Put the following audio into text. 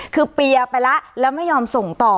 คือเปียไปแล้วไม่ยอมส่งต่อ